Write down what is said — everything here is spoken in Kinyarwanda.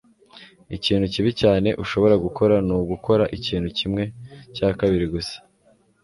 ikintu kibi cyane ushobora gukora ni ugukora ikintu kimwe cya kabiri gusa